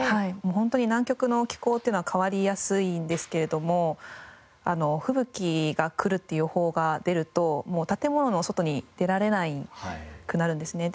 ホントに南極の気候っていうのは変わりやすいんですけれども吹雪が来るっていう予報が出るともう建物の外に出られなくなるんですね。